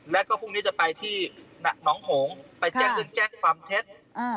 แล้วก็พรุ่งนี้จะไปที่น้องหงศ์ไปแจ้งเรื่องแจ้งความเท็จ